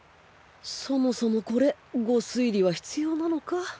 そもそもこれ御推理は必要なのか？